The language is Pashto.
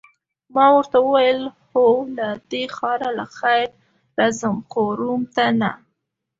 ما ورته وویل: هو، له دې ښاره له خیره ځم، خو روم ته نه.